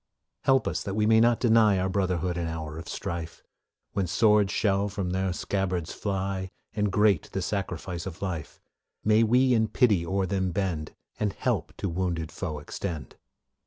Help us that we may not deny Our brotherhood in hour of strife; When swords shall from their scabbards fly, And great the sacrifice of life, May we in pity o'er them bend, And help to wounded foe extend.